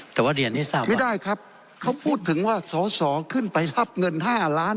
แต่ว่าเรียนให้ทราบไม่ได้ครับเขาพูดถึงว่าสอสอขึ้นไปรับเงิน๕ล้าน